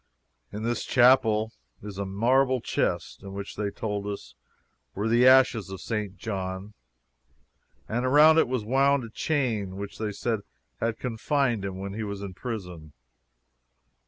In this Chapel is a marble chest, in which, they told us, were the ashes of St. John; and around it was wound a chain, which, they said, had confined him when he was in prison.